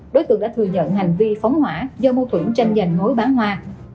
đối tượng đã thừa nhận hành vi phóng hỏa do mâu thuẫn tranh giành mối bán hoa